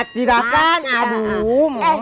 tidak kan aduh mau